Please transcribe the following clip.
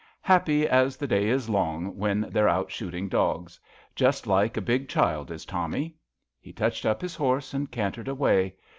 Happy as the day is long when they're out shooting dogs. Just like a big child is Tommy." He touched up his horse and cantered away.